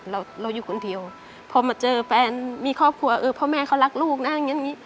เราอยู่คนเดียวพอมาเจอแฟนมีครอบครัวเออพ่อแม่เขารักลูกนะ